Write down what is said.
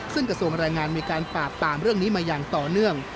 ซึ่งกระทรวงแรงงานมีการปราบปรามเรื่องนี้มาอย่างต่อเนื่อง